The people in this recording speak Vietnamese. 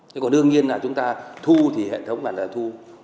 thế còn đương nhiên là chúng ta thu thì hệ thống bảo hiểm xã hội